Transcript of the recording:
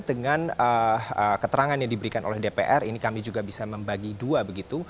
dan keterangan yang diberikan oleh dpr ini kami juga bisa membagi dua begitu